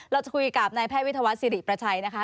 เราจะคุยกับนายแพทย์วิทยาวัฒนสิริประชัยนะคะ